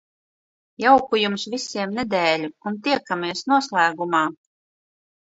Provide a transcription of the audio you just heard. Jauku Jums visiem nedēļu un tiekamies noslēgumā!